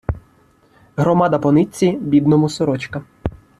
Громада по нитці — бідному сорочка.